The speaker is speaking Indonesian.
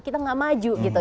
kita gak maju gitu